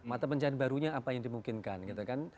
mata pencarian barunya apa yang dimungkinkan gitu kan